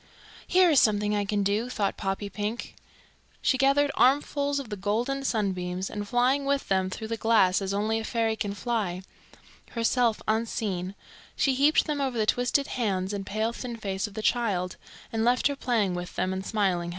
"Here is something I can do," thought Poppypink. She gathered armfuls of the golden sunbeams, and flying with them through the glass as only a fairy can fly, herself unseen, she heaped them over the twisted hands and pale thin face of the child, and left her playing with them and smiling happily.